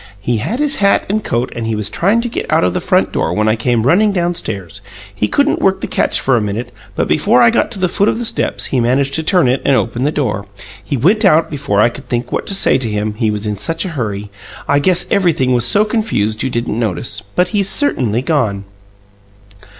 "He had his hat and coat, and he was trying to get out of the front door when I came running downstairs. He couldn't work the catch for a minute; but before I got to the foot of the steps he managed to turn it and open the door. He went out before I could think what to say to him, he was in such a hurry. I guess everything was so confused you didn't notice but he's certainly gone."